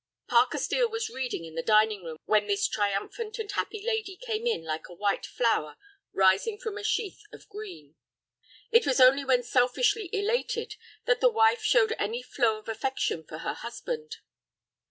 Parker Steel was reading in the dining room when this triumphant and happy lady came in like a white flower rising from a sheath of green. It was only when selfishly elated that the wife showed any flow of affection for her husband.